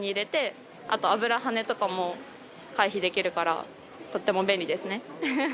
あと油はねとかも回避できるからとっても便利ですね。